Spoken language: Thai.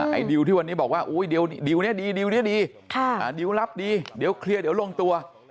ดิวที่วันนี้บอกว่าดิวนี้ดีดิวนี้ดีดิวรับดีเดี๋ยวเคลียร์เดี๋ยวลงตัว